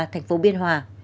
thành phố biên hòa